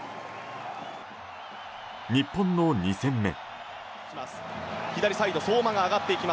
日本の２戦目。